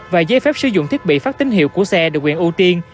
và giấy phép sử dụng thiết bị phát tín hiệu của xe được quyền ưu tiên